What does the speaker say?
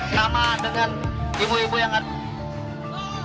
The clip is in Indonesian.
sama dengan ibu ibu yang ada